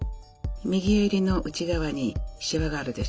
右襟の内側にシワがあるでしょ？